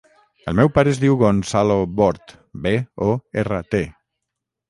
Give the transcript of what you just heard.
El meu pare es diu Gonzalo Bort: be, o, erra, te.